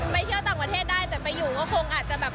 ไปเที่ยวต่างประเทศได้แต่ไปอยู่ก็คงอาจจะแบบ